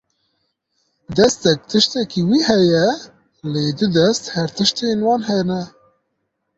Destek tiştekî wî heye, lê du dest her tiştên wan hene.